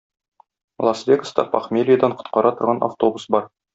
Лас Вегаста похмельедан коткара торган автобус бар!